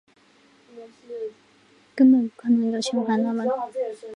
根本不可能有钱还他们